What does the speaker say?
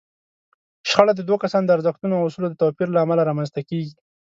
شخړه د دوو کسانو د ارزښتونو او اصولو د توپير له امله رامنځته کېږي.